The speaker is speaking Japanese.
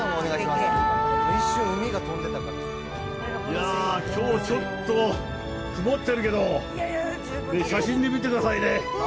いやぁ、きょうちょっと曇ってるけど、写真で見てくださいね。